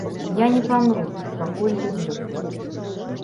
Я не памру, пакуль люблю.